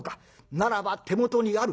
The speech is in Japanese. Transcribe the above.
ならば手元にある。